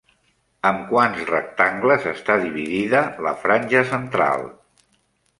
Amb quants rectangles està dividida la franja central?